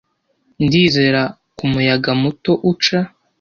ndizera ku muyaga muto uca